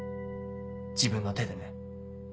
自分の手でね。